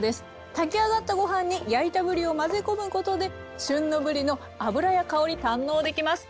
炊き上がったご飯に焼いたぶりを混ぜ込むことで旬のぶりの脂や香り堪能できます。